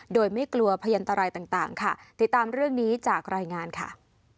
โดยไม่กลัวพยันตรายต่างค่ะติดตามเรื่องนี้จากรายงานค่ะ